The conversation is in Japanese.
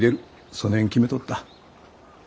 そねん決めとった。